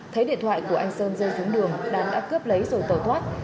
thấy điện thoại của anh sơn rơi xuống đường đạt đã cướp lấy rồi tẩu thoát